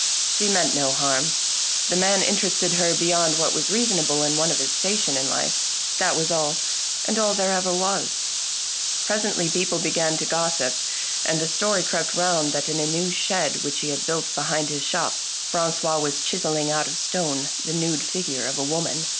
She meant no harm; the man interested her beyond what was reasonable in one of his station in life. That was all, and all there ever was. Presently people began to gossip, and a story crept round that, in a nevv^ shed which he had built behind his shop, Frangois was chiselling out of stone the nude figure of a woman.